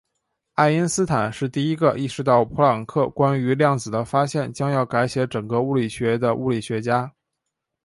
爱因斯坦是第一个意识到普朗克关于量子的发现将要改写整个物理学的物理学家。